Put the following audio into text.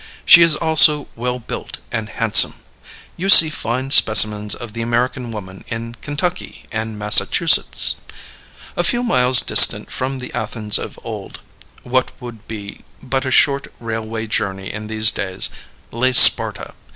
She is also well built and handsome. You see fine specimens of the American woman in Kentucky and Massachusetts. A few miles distant from the Athens of old what would be but a short railway journey in these days lay Sparta.